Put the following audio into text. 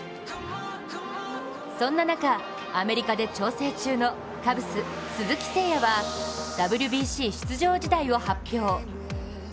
そんな中、アメリカで調整中のカブス・鈴木誠也はＷＢＣ出場辞退を発表。